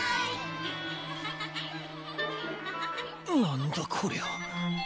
何だこりゃ。